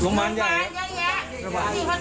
อุปกรณากรของคุณครบไหม